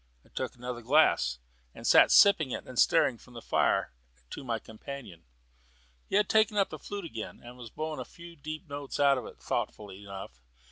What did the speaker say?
I took another glass, and sat sipping it and staring from the fire to my companion. He had taken up the flute again, and was blowing a few deep notes out of it, thoughtfully enough.